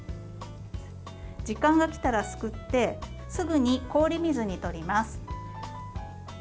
時間がきたら、すくってすぐに氷水にとります。